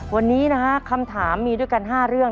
วันนี้นะฮะคำถามมีด้วยกัน๕เรื่อง